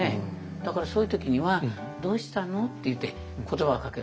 だからそういう時には「どうしたの？」って言って言葉をかける。